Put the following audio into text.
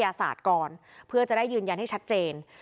เพราะว่าพ่อมีสองอารมณ์ความรู้สึกดีใจที่เจอพ่อแล้ว